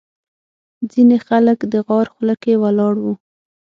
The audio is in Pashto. ځینې خلک د غار خوله کې ولاړ وو.